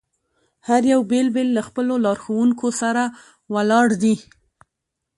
هر یو بېل بېل له خپلو لارښوونکو سره ولاړ دي.